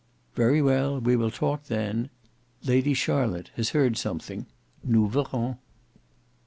"Very well, we will talk then. Lady Charlotte has heard something; nous verrons."